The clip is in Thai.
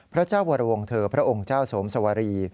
พระเจ้าวรวงเถอพระองค์เจ้าสวมสวรี